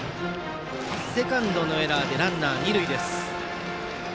セカンドのエラーでランナー、二塁。